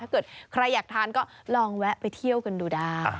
เกิดใครอยากทานก็ลองแวะไปเที่ยวกันดูได้